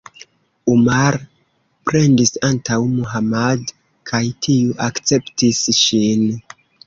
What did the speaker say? Umar plendis antaŭ Muhammad kaj tiu akceptis ŝin.